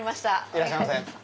いらっしゃいませ。